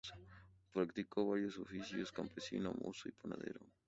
Practicó varios oficios: campesino, mozo y panadero.